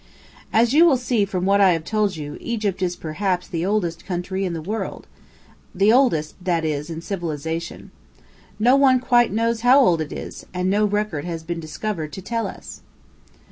As you will see from what I have told you, Egypt is perhaps the oldest country in the world the oldest, that is, in civilization. No one quite knows how old it is, and no record has been discovered to tell us.